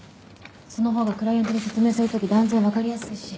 そのほうがクライアントに説明するとき断然わかりやすいし。